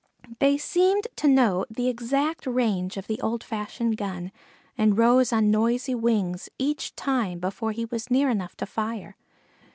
They seemed to know the exact range of the old fashioned shotgun and rose on noisy wings each time before he was near enough to fire.